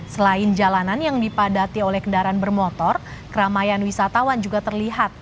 selain jalanan yang dipadati oleh kendaraan bermotor keramaian wisatawan juga terlihat